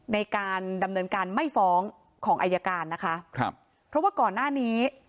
ในการดำเนินการไม่ฟ้องของอายการนะคะครับเพราะว่าก่อนหน้านี้